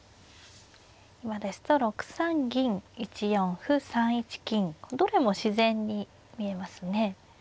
今ですと６三銀１四歩３一金どれも自然に見えますね。